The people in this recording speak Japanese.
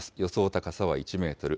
高さは１メートル。